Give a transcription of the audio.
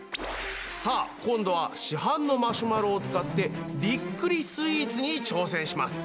さあ今度は市販のマシュマロを使ってびっくりスイーツに挑戦します。